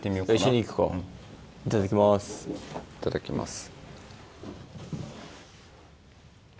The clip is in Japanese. いただきます。